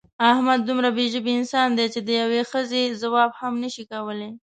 احمد دومره بې ژبې انسان دی چې د یوې ښځې ځواب هم نشي کولی.